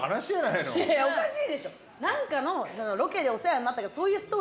いやいやおかしいでしょ。